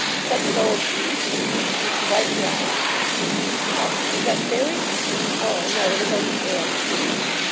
ha! such an old goose!' and she wiped her eyes again. 'Hush! is that Fairy? Oh, no, it is only Anne singing.